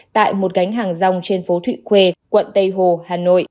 tại một gánh hàng rong trên phố thụy khuê quận tây hồ hà nội